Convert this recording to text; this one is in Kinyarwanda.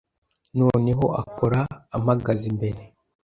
noneho akora ampagaze imbere